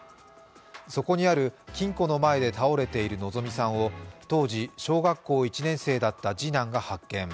そこにある金庫の前で倒れている希美さんを当時、小学校１年生だった次男が発見。